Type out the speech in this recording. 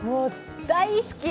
大好き。